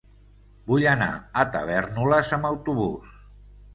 Vull anar a Tavèrnoles amb autobús.